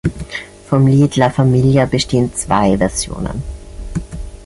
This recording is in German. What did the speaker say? Vom Lied "La Familia" bestehen zwei Versionen.